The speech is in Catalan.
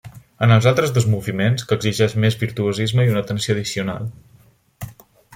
En els altres dos moviments, que exigeix més virtuosisme i una tensió addicional.